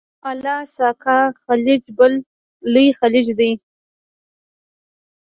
الاسکا خلیج بل لوی خلیج دی.